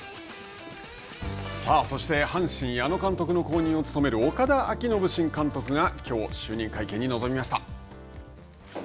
さあ、そして阪神矢野監督の後任を務める岡田彰布新監督がきょう、就任会見に臨みました。